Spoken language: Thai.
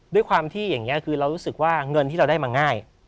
ด้วยความที่อย่างนี้คือเรารู้สึกว่าเงินที่เราได้มาง่าย